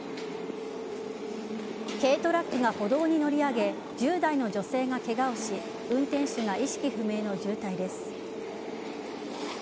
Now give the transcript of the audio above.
軽トラックが歩道に乗り上げ１０代の女性がケガをし運転手が意識不明の重体です。